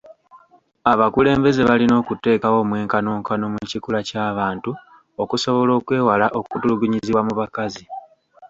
Abakulembeze balina okuteekawo omwenkanonkano mu kikula ky'abantu okusobola okwewala okutulugunyizibwa mu bakazi.